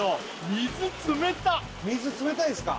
水冷たいですか？